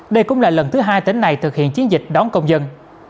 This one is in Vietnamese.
đây cũng là lần thứ hai tỉnh này thực hiện chiến dịch đón công dân